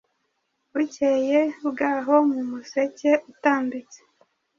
Bukeye bwahomu museke utambitse